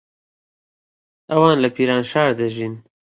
ئەوان لە پیرانشار دەژین.